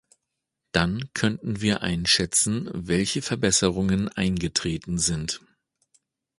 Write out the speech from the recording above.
Dann könnten wir einschätzen, welche Verbesserungen eingetreten sind.